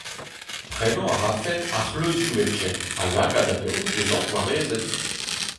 Prenañ a rafen ar c'hleuzioù hepken ha lakaat anezho da vezañ gwarezet.